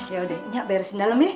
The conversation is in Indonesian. yaudah nya beresin dalem ya